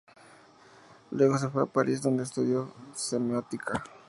Luego se fue a París, donde estudió semiótica.